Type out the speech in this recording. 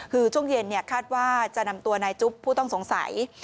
คือช่วงเย็นคาดว่าจะนำตัวนายจุ๊บผู้ต้องสงสัย